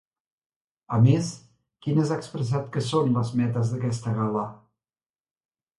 A més, quines ha expressat que són les metes d'aquesta gala?